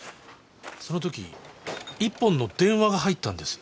そのとき１本の電話が入ったんです。